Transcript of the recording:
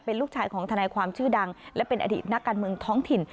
ลูกชายของทนายความชื่อดังและเป็นอดีตนักการเมืองท้องถิ่น